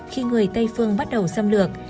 khi người tây phương bắt đầu xâm lược